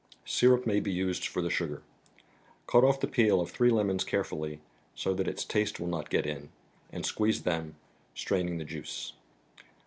Syrup may be used for the sugar. Cut off the peel of three lemons carefully, so that its taste will not get in, and squeeze them, straining the juice.